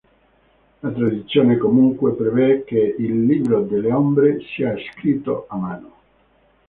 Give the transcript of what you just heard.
La tradizione, comunque, prevede che il "Libro delle Ombre" sia scritto a mano.